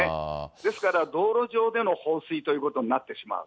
ですから道路上での放水ということになってしまう。